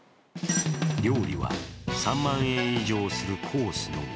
料理は３万円以上するコースのみ。